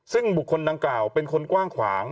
ซึ่งบุคคลดังกล่าวเป็นคนกว้างขวาง